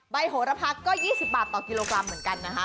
โหระพัทก็๒๐บาทต่อกิโลกรัมเหมือนกันนะคะ